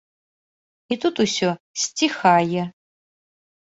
І тут усё сціхае.